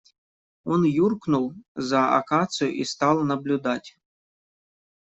Он юркнул за акацию и стал наблюдать.